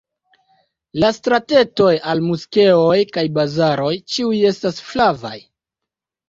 La stratetoj al moskeoj kaj bazaroj ĉiuj estas flavaj.